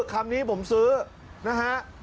คำนี้ผมซื้อนะฮะ